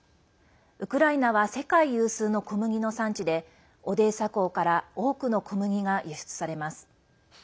ウクライナは世界有数の小麦の産地でオデーサ港から多くの小麦が輸出されます。